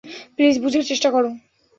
Please, বুঝার চেষ্টা করো।